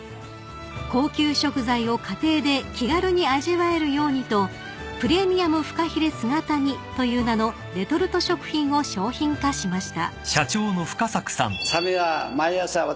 ［高級食材を家庭で気軽に味わえるようにと「プレミアムふかひれ姿煮」という名のレトルト食品を商品化しました］